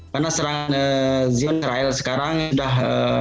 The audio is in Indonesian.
karena serangan zion israel sekarang sudah